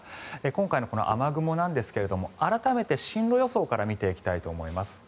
今回の雨雲なんですが改めて進路予想から見ていきたいと思います。